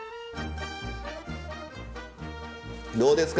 どうですか？